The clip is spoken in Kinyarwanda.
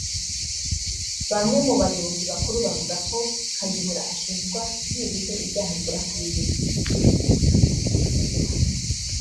Bamwe mu bayobozi bakuru bavuga ko Kayihura ashinjwa byibuze ibyaha bigera kuri bine